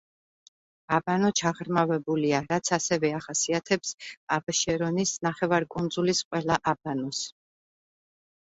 აბანო ჩაღრმავებულია, რაც ასევე ახასიათებს აბშერონის ნახევარკუნძულის ყველა აბანოს.